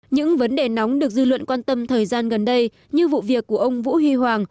những vấn đề nóng được dư luận quan tâm thời gian gần đây như vụ việc của ông vũ huy hoàng